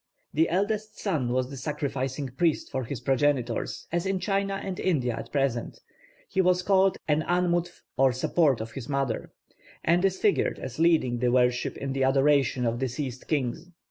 The eldest son was the sacrificing priest for his progenitors, as in China and India at present; he was called the an mut f, or 'support of his mother,' and is figured as leading the worship in the adoration of deceased kings.